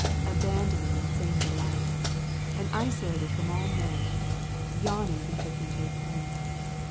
Abandoning insane delight, Anddsolated from aU men, 7 Yawning betook him to a pen.